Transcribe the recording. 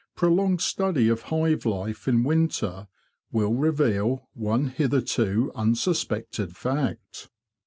Prolonged study of hive life in winter will reveal one hitherto unsuspected fact.